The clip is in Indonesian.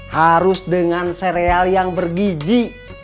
harus dengan serial yang bergiji